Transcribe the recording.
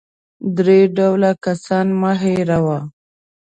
درې ډوله کسان مه هېروه .